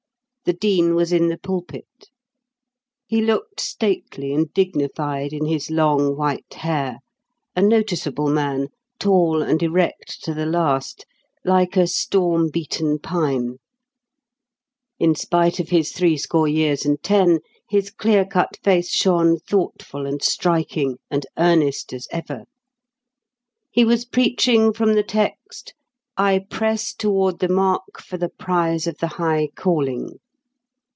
The Dean was in the pulpit. He looked stately and dignified in his long white hair, a noticeable man, tall and erect to the last, like a storm beaten pine; in spite of his threescore years and ten, his clear cut face shone thoughtful, and striking, and earnest as ever. He was preaching from the text, "I press toward the mark for the prize of the high calling."